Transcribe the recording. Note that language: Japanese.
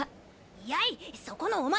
やいそこのお前！